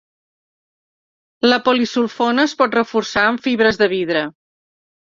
La polisulfona es pot reforçar amb fibres de vidre.